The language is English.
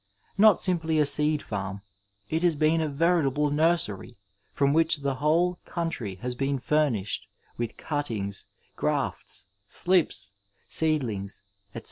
Not simply a seed farm, it has been a veritable nursery from whiob the whole coun try has been furnished with cuttings, grafts, slips, sisedlings, etc.